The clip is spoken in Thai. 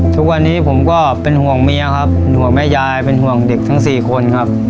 ทุกวันนี้ผมก็เป็นห่วงเมียครับห่วงแม่ยายเป็นห่วงเด็กทั้งสี่คนครับ